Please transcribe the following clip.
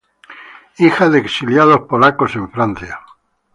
Hija de exiliados polacos en Francia.